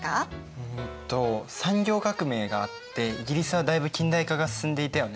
うんと産業革命があってイギリスはだいぶ近代化が進んでいたよね。